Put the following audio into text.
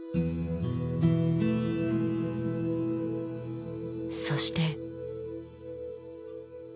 そして。